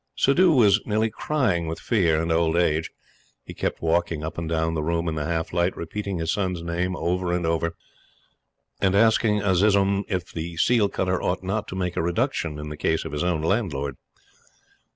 Suddhoo was nearly crying with fear and old age. He kept walking up and down the room in the half light, repeating his son's name over and over again, and asking Azizun if the seal cutter ought not to make a reduction in the case of his own landlord.